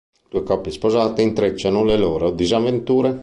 Due coppie sposate intrecciano le loro disavventure.